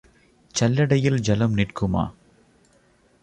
சல்லடையில் ஐலம் நிற்குமா?